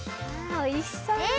おいしそう！